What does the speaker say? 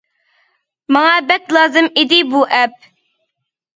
ماڭا بەك لازىم ئىدى بۇ ئەپ.